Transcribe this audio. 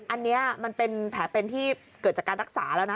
อันนี้มันเป็นแผลเป็นที่เกิดจากการรักษาแล้วนะ